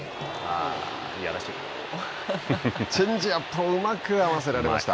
チェンジアップをうまく合わせられました。